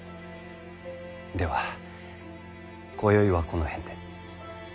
ではこよいはこの辺で。